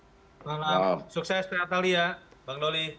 selamat malam sukses atalia bang lolih